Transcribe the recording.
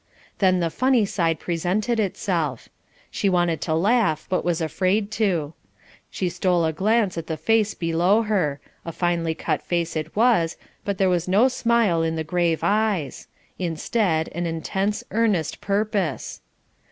Then the funny side presented itself. She wanted to laugh but was afraid to. She stole a glance at the face below her a finely cut face it was, but there was no smile in the grave eyes; instead, an intense, earnest purpose.